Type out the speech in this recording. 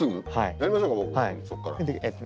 やりましょうか僕そっから。